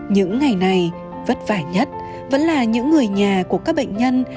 những ngày này vất vả nhất vẫn là những người nhà của các bệnh nhân